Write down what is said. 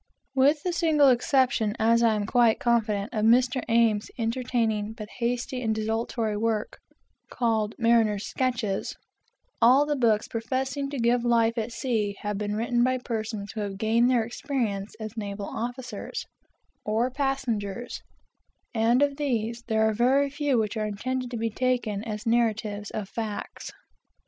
With the single exception, as I am quite confident, of Mr. Ames's entertaining, but hasty and desultory work, called "Mariner's Sketches," all the books professing to give life at sea have been written by persons who have gained their experience as naval officers, or passengers, and of these, there are very few which are intended to be taken as narratives of facts.